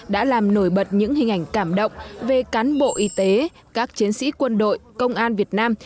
đã làm nổi bật những hình ảnh cảm động về cán bộ y tế các chiến sĩ quân đội công an việt nam